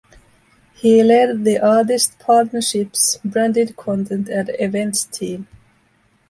He led the Artist Partnerships, Branded Content and Events Team.